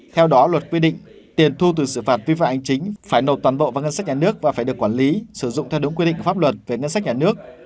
theo đó luật quy định tiền thu từ xử phạt vi phạm hành chính phải nộp toàn bộ vào ngân sách nhà nước và phải được quản lý sử dụng theo đúng quy định pháp luật về ngân sách nhà nước